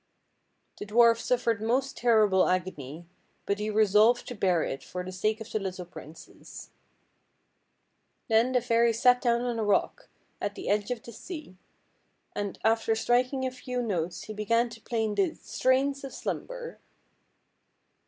The dwarf suffered most terrible agony ; but he resolved to bear it for the sake of the little princess. Then the fairy sat down on a rock at the edge of the sea, and, after striking a few notes, he began to play the " Strains of Slum ber."